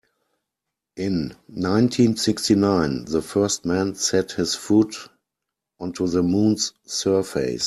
In nineteen-sixty-nine the first man set his foot onto the moon's surface.